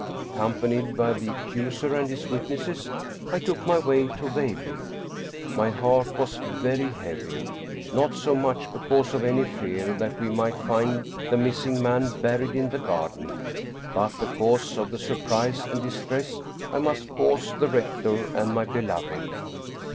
Ac companied by the accuser and his witnesses I took my way to Veilbye. My heart was very heavy, not so much because of any fear that we might find the missing man buried in the garden, but because of the surprise and dis tress I must cause the rector and my beloved.